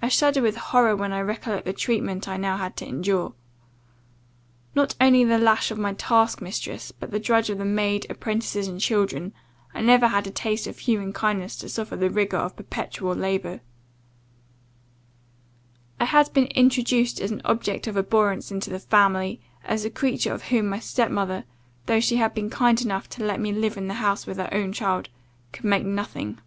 "I shudder with horror, when I recollect the treatment I had now to endure. Not only under the lash of my task mistress, but the drudge of the maid, apprentices and children, I never had a taste of human kindness to soften the rigour of perpetual labour. I had been introduced as an object of abhorrence into the family; as a creature of whom my step mother, though she had been kind enough to let me live in the house with her own child, could make nothing.